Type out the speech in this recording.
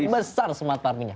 besar smart farming nya